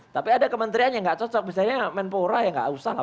tapi ada kementerian yang tidak cocok misalnya yang main pora ya tidak usah pakai